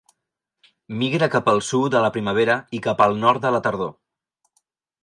Migra cap al sud a la primavera i cap al nord a la tardor.